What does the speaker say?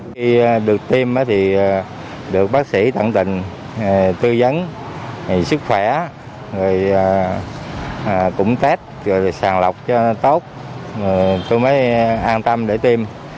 khi được tiêm thì được bác sĩ tận tình tư dấn sức khỏe cũng test sàng lọc cho tốt tôi mới an tâm để tiêm